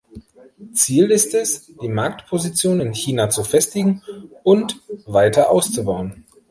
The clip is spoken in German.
Ziel ist es, die Marktposition in China zu festigen und weiter auszubauen.